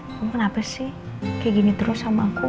kamu kenapa sih kayak gini terus sama aku